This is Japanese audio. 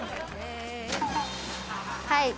「はい。